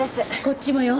こっちもよ。